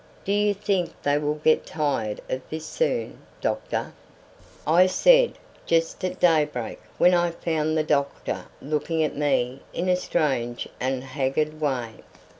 "Do you think they will get tired of this soon, doctor?" I said, just at daybreak, when I found the doctor looking at me in a strange and haggard way.